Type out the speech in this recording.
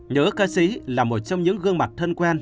nhớ ca sĩ là một trong những gương mặt thân quen